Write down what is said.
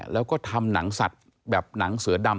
แล้วก็ทำหนังสัตว์แบบหนังเสือดำ